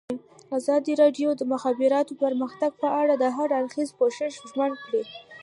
ازادي راډیو د د مخابراتو پرمختګ په اړه د هر اړخیز پوښښ ژمنه کړې.